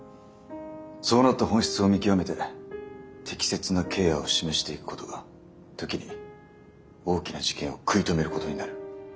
そうなった本質を見極めて適切なケアを示していくことが時に大きな事件を食い止めることになる。